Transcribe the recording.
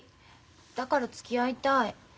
だからつきあいたい。